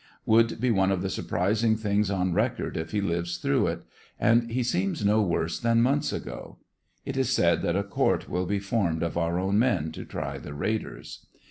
Would he one of the surprising things on record if he lives through it, and he seems no worse than months ago. It is said that a court will be formed of our own men to try the raiders.